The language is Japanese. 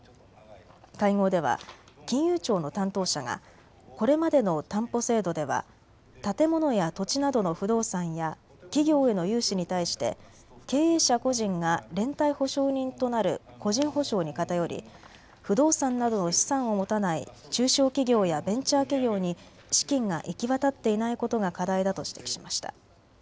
会合では金融庁の担当者がこれまでの担保制度では建物や土地などの不動産や企業への融資に対して経営者個人が連帯保証人となる個人保証に偏り不動産などの資産を持たない中小企業やベンチャー企業に資金が行き渡っていないことが課題だと指摘しました。